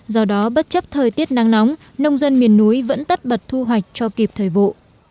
do đó bất chấp thời tiết nắng nóng nông dân miền núi vẫn tất bật thu hoạch cho kịp thời vụ